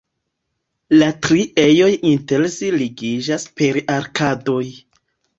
La tri ejoj inter si ligiĝas per arkadoj.